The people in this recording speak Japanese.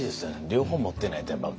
両方持ってないとやっぱ。